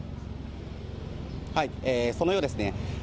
はい、そのようですね。